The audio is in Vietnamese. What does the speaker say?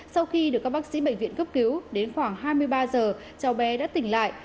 sau khi được các bác sĩ bệnh viện cấp cứu đến khoảng hai mươi ba giờ cháu bé đã tỉnh lại